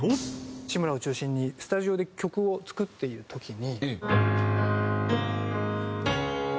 志村を中心にスタジオで曲を作っている時に。